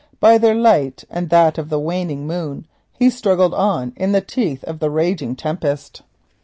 By their light and that of the waning moon he struggled on in the teeth of the raging tempest.